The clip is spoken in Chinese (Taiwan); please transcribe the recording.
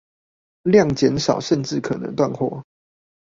量減少甚至可能斷貨